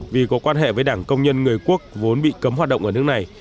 vì có quan hệ với đảng công nhân người quốc vốn bị cấm hoạt động ở nước này